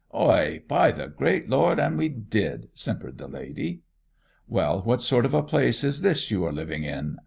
'Oi, by the great Lord an' we did!' simpered the lady. 'Well, what sort of a place is this you are living in?